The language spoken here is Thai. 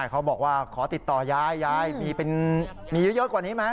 เขาบอกว่าขอติดต่อยายยายมีเยอะกว่านี้ไหม